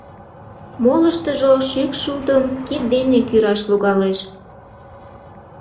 — Молыштыжо шӱкшудым кид дене кӱраш логалеш.